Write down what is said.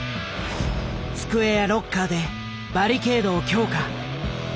机やロッカーでバリケードを強化。